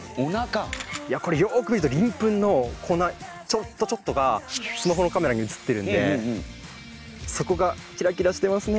いやこれよく見ると鱗粉の粉ちょっとちょっとがスマホのカメラに写ってるんでそこがキラキラしてますね。